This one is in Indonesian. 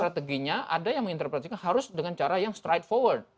strateginya ada yang menginterpretasikan harus dengan cara yang straight forward